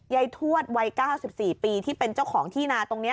ทวดวัย๙๔ปีที่เป็นเจ้าของที่นาตรงนี้